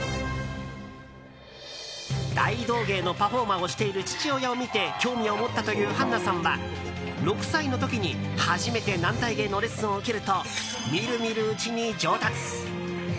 大道芸のパフォーマーをしている父親を見て興味を持ったというはんなさんは６歳の時に初めて軟体芸のレッスンを受けるとみるみるうちに上達！